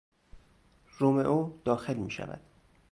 رومئو داخل میشود.